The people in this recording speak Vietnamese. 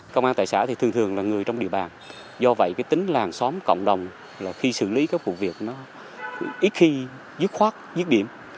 công an tại xã thường thường là người trong địa bàn do vậy tính làng xóm cộng đồng khi xử lý các vụ việc ít khi dứt khoát dứt điểm